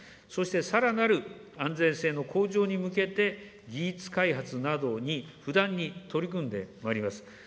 そして、さらなる安全性の向上に向けて、技術開発などに不断に取り組んでまいります。